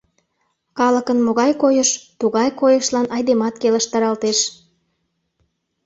Калыкын могай койыш, тугай койышлан айдемат келыштаралтеш.